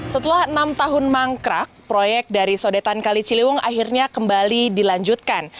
setelah enam tahun mangkrak proyek dari sodetan kali ciliwung akhirnya kembali dilanjutkan